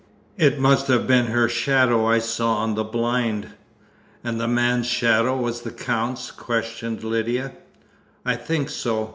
It must have been her shadow I saw on the blind." "And the man's shadow was the Count's?" questioned Lydia. "I think so.